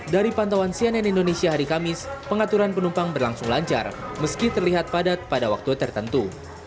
dari pantauan cnn indonesia hari kamis pengaturan penumpang berlangsung lancar meski terlihat padat pada waktu tertentu